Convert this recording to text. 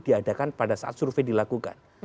diadakan pada saat survei dilakukan